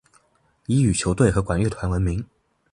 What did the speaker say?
以羽球队和管乐团闻名。